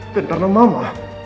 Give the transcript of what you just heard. dan karena mama